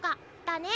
だね。